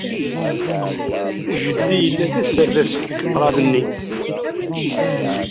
Jeddi yella d aserdas deg ṭṭraḍ-nni.